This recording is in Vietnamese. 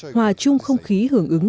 hòa chung không khí hưởng ứng